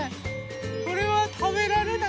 これはたべられない？